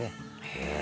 「へえ」